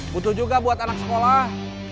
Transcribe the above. butuh juga buat anak sekolah